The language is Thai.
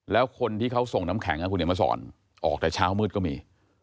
แล้วคนที่เขาส่งน้ำแข็งคุณเห็นมาสอนออกแต่เช้ามืดก็มี